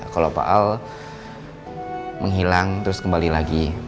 kalau paal menghilang terus kembali lagi